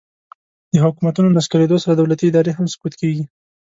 د حکومتونو نسکورېدو سره دولتي ادارې هم سقوط کیږي